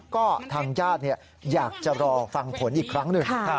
ก็ทางญาติอยากจะรอฟังผลอีกครั้งหนึ่ง